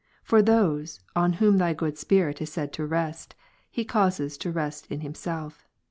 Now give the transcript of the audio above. For those, on whom "; Thy good Spirit is said to rest, He causes to rest in Himself, u, 25.